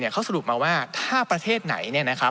เขาสรุปมาว่าถ้าประเทศไหน